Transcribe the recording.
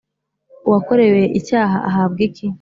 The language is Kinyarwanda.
uwakorewe icyaha ahabwa iki